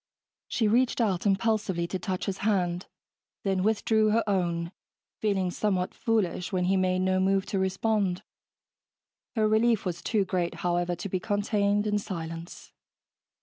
She reached out impulsively to touch his hand, then withdrew her own, feeling somewhat foolish when he made no move to respond. Her relief was too great, however, to be contained in silence.